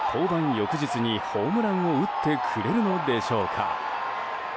翌日にホームランを打ってくれるのでしょうか。